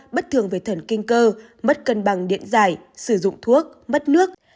bất thường về thần kinh cơ mất cân bằng điện giải sử dụng thuốc mất nước